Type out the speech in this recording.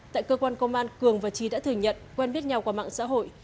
tại cơ quan công an cường và trí đã thừa nhận quen biết nhau qua mạng xã hội